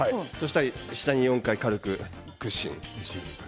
下に４回、軽く屈伸。